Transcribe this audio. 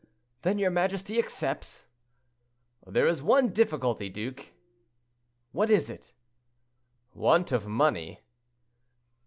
"Then your majesty accepts?" "There is only one difficulty, duke." "What is it?" "Want of money."